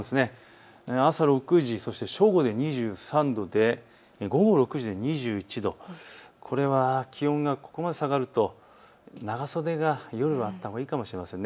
朝６時、そして正午で２３度で午後６時、２１度、これは、気温がここまで下がると長袖が夜はあったほうがいいかもしれません。